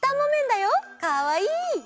かわいい！